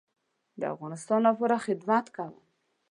د افغانستان لپاره خدمت کوم